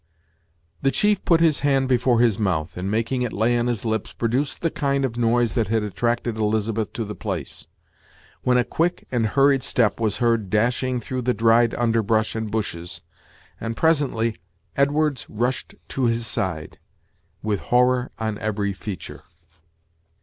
The chief put his hand before his mouth, and, making it lay on his lips, produced the kind of noise that had attracted Elizabeth to the place, when a quick and hurried step was heard dashing through the dried underbrush and bushes, and presently Edwards rushed to his side, with horror an every feature.